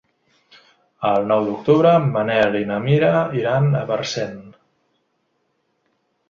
El nou d'octubre en Manel i na Mira iran a Parcent.